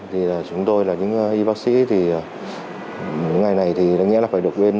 thì chúng tôi là những y bác sĩ thì những ngày này thì đáng nhẽ là phải được ghiên